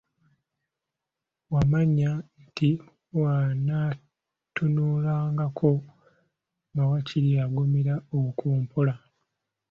Yamanya nti bw'anantunulangako nga waakiri agumira okwo mpola.